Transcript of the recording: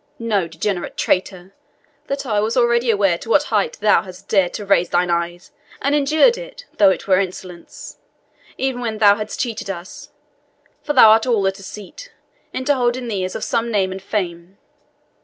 Know, degenerate traitor, that I was already aware to what height thou hadst dared to raise thine eyes, and endured it, though it were insolence, even when thou hadst cheated us for thou art all a deceit into holding thee as of some name and fame.